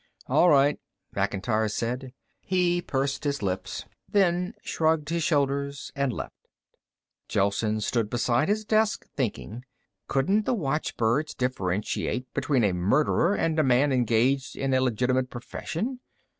"All right," Macintyre said. He pursed his lips, then shrugged his shoulders and left. Gelsen stood beside his desk, thinking. Couldn't the watchbirds differentiate between a murderer and a man engaged in a legitimate profession?